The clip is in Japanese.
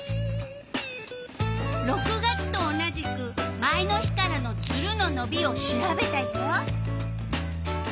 ６月と同じく前の日からのツルののびを調べたよ。